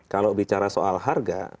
kalau bicara soal harga